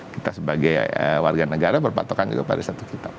kita sebagai warga negara berpatokan kepada satu kitab